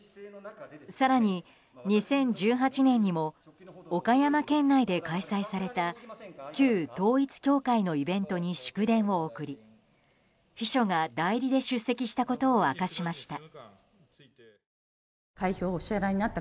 更に２０１８年にも岡山県内で開催された旧統一教会のイベントに祝電を送り秘書が代理で出席したことを明かしました。